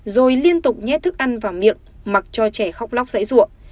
rồi liên tục nhét thức ăn vào miệng mặc cho trẻ khóc lóc dãy ruộng